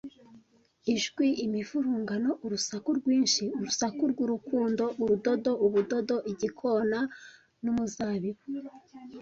Ijwi, imivurungano, urusaku rwinshi , urusaku rwurukundo, urudodo-ubudodo, igikona numuzabibu,